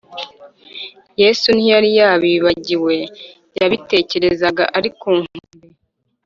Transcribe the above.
yesu ntiyari yabibagiwe yabitegerezaga ari ku nkombe,